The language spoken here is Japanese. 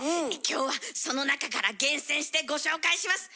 今日はその中から厳選してご紹介します。